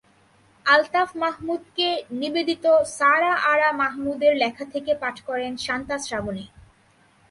আলতাফ মাহমুদকে নিবেদিত সারা আরা মাহমুদের লেখা থেকে পাঠ করেন শান্তা শ্রাবণী।